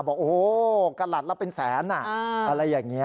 บอกโอ้โหกระหลัดละเป็นแสนอะไรอย่างนี้